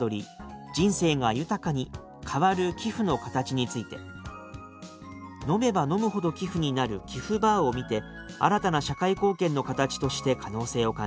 「人生が豊かに！？変わる“寄付のカタチ”」について「飲めば飲むほど寄付になるキフバーを見て新たな社会貢献の形として可能性を感じた」